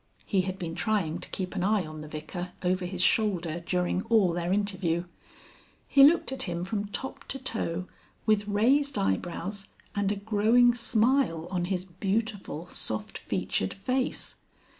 He had been trying to keep an eye on the Vicar over his shoulder during all their interview. He looked at him from top to toe with raised eyebrows and a growing smile on his beautiful soft featured face.